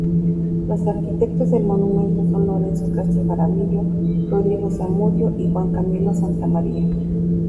Los arquitectos del monumento son Lorenzo Castro Jaramillo, Rodrigo Zamudio, y Juan Camilo Santamaría.